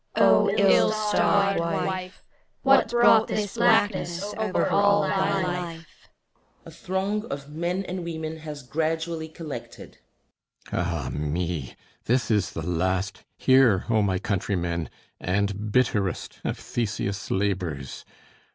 O ill starred Wife, What brought this blackness over all thy life? [A throng of Men and Women has gradually collected.] THESEUS Ah me, this is the last Hear, O my countrymen! and bitterest Of Theseus' labours!